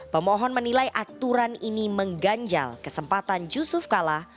pemohon menilai aturan ini mengganjal kesempatan yusuf kala